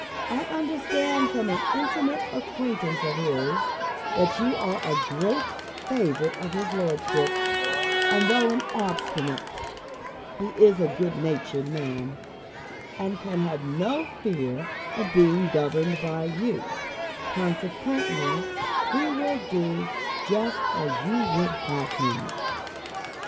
I understand from an intimate acquaintance of his, that you are a great favourite of his lordship; and though an obstinate, he is a good natured man, and can have no fear of being governed by you; consequently he will do just as you would have him.